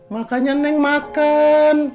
makanya neng makan